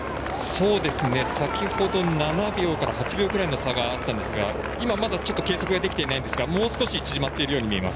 先程、７秒から８秒くらいの差があったんですが、今はまだ計測ができていないんですがもう少し縮まっているように見えます。